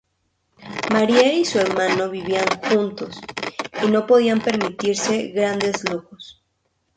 Marie y su hermano vivían juntos y no podían permitirse grandes lujos.